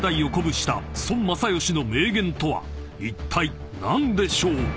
［いったい何でしょう？］